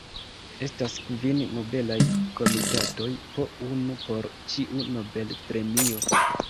Estas kvin Nobelaj Komitatoj, po unu por ĉiu Nobel-premio.